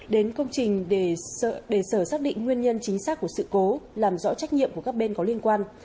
đến công trình để sở xác định nguyên nhân chính xác của sự cố làm rõ trách nhiệm của các bên có liên quan